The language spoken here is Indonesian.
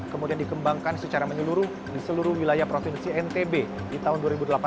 kemudian dikembangkan secara menyeluruh di seluruh wilayah provinsi ntb di tahun dua ribu delapan belas